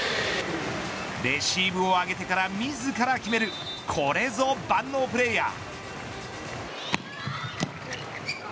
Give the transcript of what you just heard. レシーブを上げてから自ら決めるこれぞ万能プレーヤー。